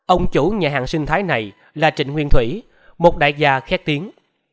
ông chủ nhà hàng sinh thái này là trịnh nguyên thủy một đại gia khét tiếng